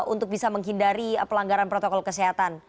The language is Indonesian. untuk bisa menghindari pelanggaran protokol kesehatan